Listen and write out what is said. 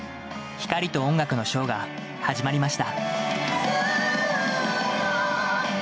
光と音楽のショーが始まりました。